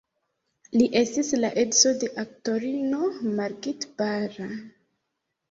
Li estis la edzo de aktorino Margit Bara.